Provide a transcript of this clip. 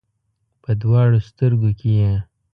په دواړو سترګو کې یې